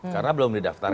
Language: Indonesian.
karena belum didaftarkan